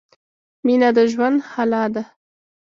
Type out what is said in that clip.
مینه د ژوند ښلا ده